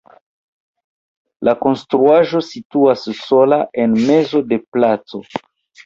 La konstruaĵo situas sola en mezo de placo.